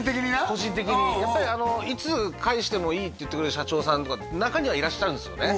個人的に「いつ返してもいい」って言ってくれる社長さんとか中にはいらっしゃるんですよね